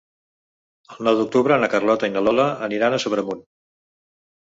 El nou d'octubre na Carlota i na Lola aniran a Sobremunt.